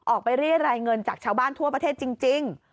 ไปเรียรายเงินจากชาวบ้านทั่วประเทศจริง